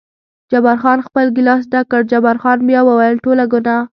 جبار خان خپل ګیلاس ډک کړ، جبار خان بیا وویل: ټوله ګناه.